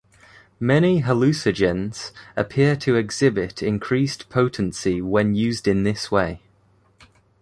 Many hallucinogens appear to exhibit increased potency when used in this way.